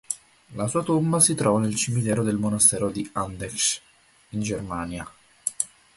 La sua tomba si trova nel cimitero del Monastero di Andechs, in Germania.